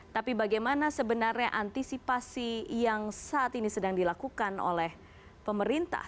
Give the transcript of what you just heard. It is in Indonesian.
tapi bagaimana sebenarnya antisipasi yang saat ini sedang dilakukan oleh pemerintah